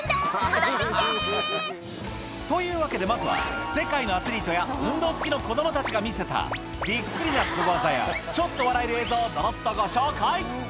戻って来て！というわけでまずは世界のアスリートや運動好きの子供たちが見せたびっくりなスゴ技やちょっと笑える映像をどどっとご紹介